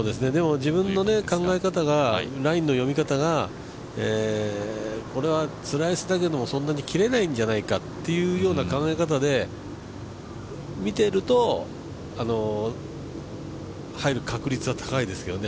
自分の考え方がラインの読み方が、これはスライスだけどそんなに切れないんじゃないかという考え方で見ていると入る確率は高いですけどね。